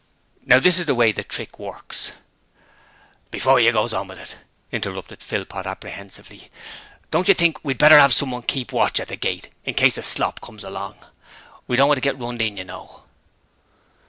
'Now this is the way the trick works ' 'Before you goes on with it,' interrupted Philpot, apprehensively, 'don't you think we'd better 'ave someone to keep watch at the gate in case a Slop comes along? We don't want to get runned in, you know.'